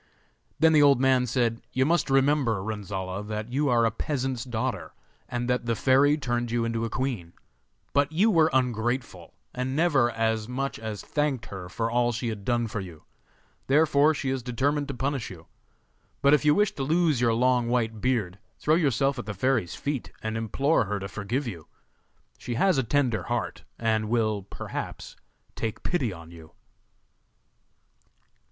Then the old man said: 'You must remember, Renzolla, that you are a peasant's daughter, and that the fairy turned you into a queen; but you were ungrateful, and never as much as thanked her for all she had done for you. Therefore she has determined to punish you. But if you wish to lose your long white beard, throw yourself at the fairy's feet and implore her to forgive you. She has a tender heart, and will, perhaps, take pity on you.